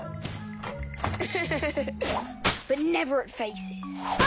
フフフフハ！